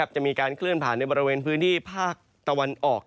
จะมีการเคลื่อนผ่านในบริเวณพื้นที่ภาคตะวันออก